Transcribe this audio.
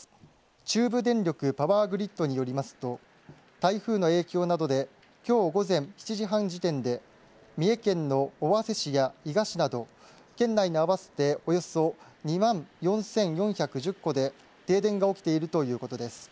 中部電力パワーグリッドによりますと台風の影響などできょう午前７時半時点で三重県の尾鷲市や伊賀市など県内の合わせておよそ２万４４１０戸で停電が起きているということです。